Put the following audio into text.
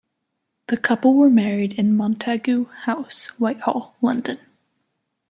The couple were married in Montagu House, Whitehall, London.